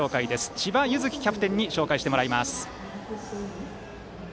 千葉柚樹キャプテンに紹介してもらいます。